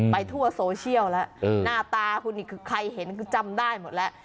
ทั่วโซเชียลแล้วหน้าตาคุณนี่คือใครเห็นคือจำได้หมดแล้ว